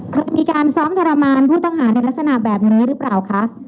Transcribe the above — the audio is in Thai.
มีการซ้อมทรมานผู้ต้องหาในลักษณะแบบนี้หรือเปล่าคะ